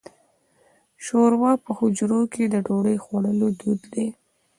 شوروا په حجرو کې د ډوډۍ خوړلو دود دی.